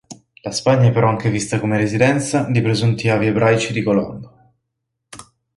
La Spagna è però anche vista come residenza di presunti avi ebraici di Colombo.